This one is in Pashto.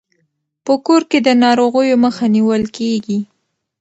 په کور کې د ناروغیو مخه نیول کیږي.